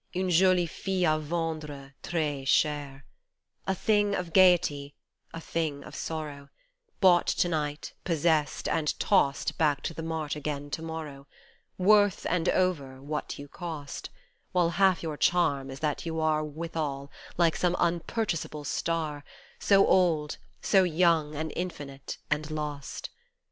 Une jolie fille a vendre, tres cher ; A thing of gaiety, a thing of sorrow, Bought to night, possessed, and tossed Back to the mart again to morrow, Worth and over, what you cost ; While half your charm is that you are Withal, like some unpurchasable star, So old, so young and infinite and lost.